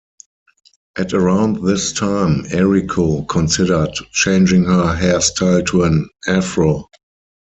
At around this time, Eriko considered changing her hairstyle to an Afro.